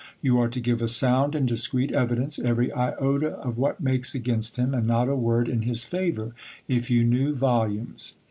You are to give a sound and discreet evidence ; every iota of what makes against him, and not a word in his favour, if you knew volumes.